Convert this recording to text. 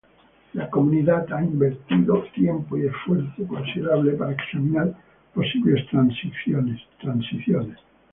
La comunidad ha invertido tiempo y esfuerzo considerable para examinar posibles transiciones.